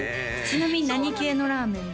ちなみに何系のラーメン？